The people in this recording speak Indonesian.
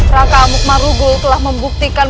raka amuk marugul telah membuktikan